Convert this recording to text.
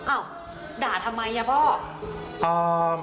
อ้าวด่าทำไมอ่ะพ่อ